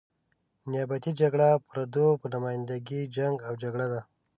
نیابتي جګړه پردو په نماینده ګي جنګ او جګړه ده.